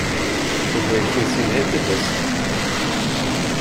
Doch welchen Sinn hätte das?